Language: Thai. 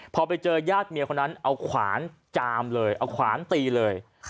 พอไปเจอญาติเมียคนนั้นเอาขวานจามเลยเอาขวานตีเลย